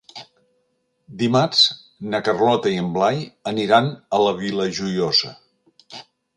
Dimarts na Carlota i en Blai aniran a la Vila Joiosa.